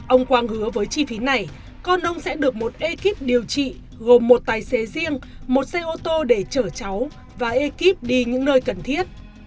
ông quang hứa với chi phí này con ông sẽ được một ekip điều trị gồm một tài xế riêng một xe ô tô để chở cháu và ekip đi những nơi cần thiết